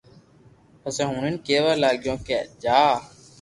پسي ھوڻين ڪيوا لاگيو ڪي جا